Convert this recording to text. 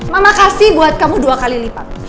mama kasih buat kamu dua kali lipat